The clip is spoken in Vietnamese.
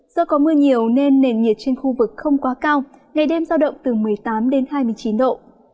do có mưa nhiều nên nền nhiệt trên khu vực không quá cao ngày đêm giao động từ một mươi tám đến hai mươi chín độ